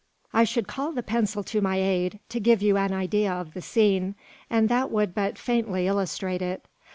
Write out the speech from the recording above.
I should call the pencil to my aid to give you an idea of the scene, and that would but faintly illustrate it.